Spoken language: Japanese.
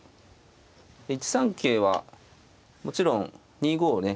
１三桂はもちろん２五をね